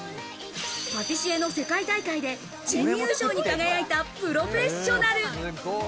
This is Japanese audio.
パティシエの世界大会で準優勝に輝いたプロフェッショナル。